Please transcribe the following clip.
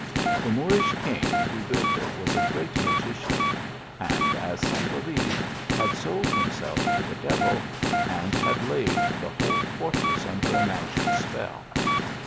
The Moorish king who built it was a great magician, and, as some believed, had sold himself to the devil, and had laid" the whole fortress under a magic spell.